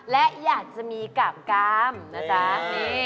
และอยากจะมีกล่ามนะจ๊ะนี่